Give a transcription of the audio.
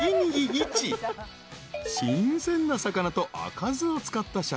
［新鮮な魚と赤酢を使ったしゃり］